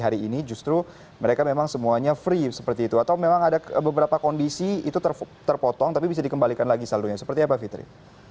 hari ini justru mereka memang semuanya free seperti itu atau memang ada beberapa kondisi itu terpotong tapi bisa dikembalikan lagi saldonya seperti apa fitri